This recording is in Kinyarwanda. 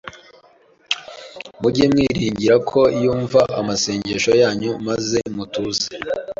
mujye mwiringira ko yumva amasengesho yanyu, maze mutuze.